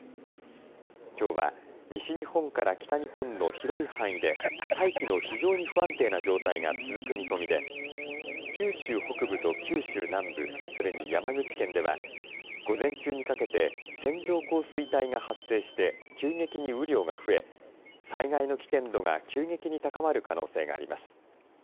きょうは西日本から北日本の広い範囲で大気の非常に不安定な状態が続く見込みで九州北部と九州南部それに山口県では午前中にかけて線状降水帯が発生して、急激に雨量が増え災害の危険度が急激に高まる可能性があります。